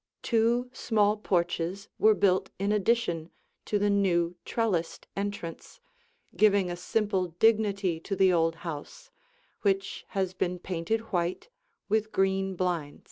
Two small porches were built in addition to the new trellised entrance, giving a simple dignity to the old house, which has been painted white with green blinds.